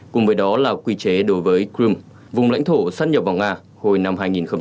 cùng với đó là quy chế đối với crimea vùng lãnh thổ sắp nhập vào nga hồi năm hai nghìn một mươi năm